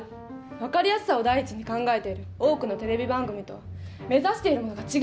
分かりやすさを第一に考えている多くのテレビ番組とは目指しているものが違うわ。